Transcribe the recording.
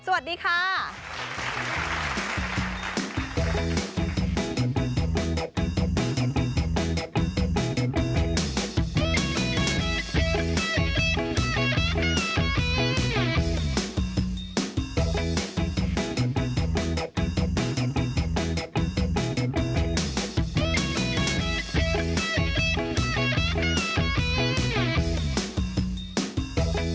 สวัสดีค่ะ